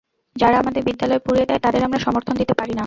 যারা আমাদের বিদ্যালয় পুড়িয়ে দেয়, তাদের আমরা সমর্থন দিতে পারি না।